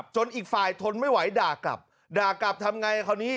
อีกฝ่ายทนไม่ไหวด่ากลับด่ากลับทำไงคราวนี้